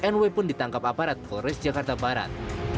nw pun ditangkap aparat polres jakarta barat